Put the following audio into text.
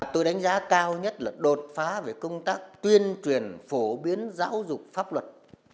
tôi đánh giá cao nhất là đột phá về công tác tuyên truyền phổ biến giáo dục pháp luật